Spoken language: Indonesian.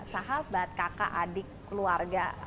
sahabat kakak adik keluarga